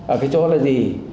ở cái chỗ là gì